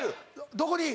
どこに？